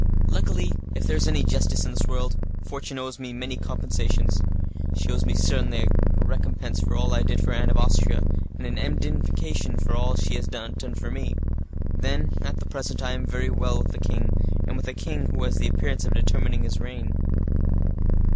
Luckily, if there is any justice in this world, fortune owes me many compensations. She owes me certainly a recompense for all I did for Anne of Austria, and an indemnification for all she has not done for me. Then, at the present, I am very well with a king, and with a king who has the appearance of determining to reign.